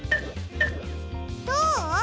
どう？